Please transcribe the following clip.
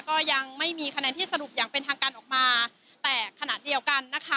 ก็ยังไม่มีคะแนนที่สรุปอย่างเป็นทางการออกมาแต่ขณะเดียวกันนะคะ